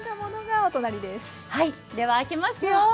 では開けますよ。